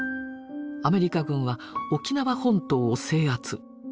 アメリカ軍は沖縄本島を制圧。